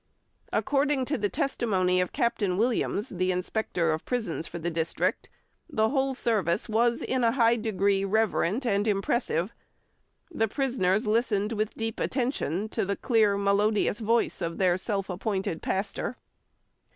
According to the testimony of Captain Williams, the Inspector of Prisons for the district, the whole service was in a high degree reverent and impressive. The prisoners listened with deep attention to the clear, melodious voice of their self appointed pastor.